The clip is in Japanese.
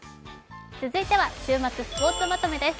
続いては週末スポーツまとめです。